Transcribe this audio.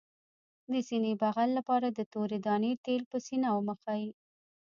د سینې بغل لپاره د تورې دانې تېل په سینه ومښئ